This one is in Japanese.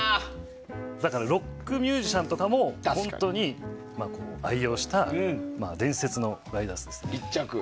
ロックミュージシャンとかも愛用した伝説のライダースです。